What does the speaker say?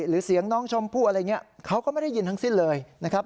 หรือเสียงน้องชมพู่อะไรอย่างนี้เขาก็ไม่ได้ยินทั้งสิ้นเลยนะครับ